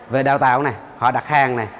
về đào tạo họ đặt hàng